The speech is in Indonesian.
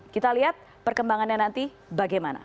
kita lihat perkembangannya nanti bagaimana